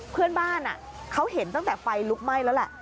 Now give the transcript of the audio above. เพื่อนบ้านเขาเห็นตั้งแต่ไฟลุกไหม้แล้วแหละ